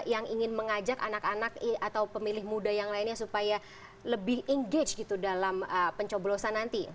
yang ingin mengajak anak anak atau pemilih muda yang lainnya supaya lebih engage gitu dalam pencoblosan nanti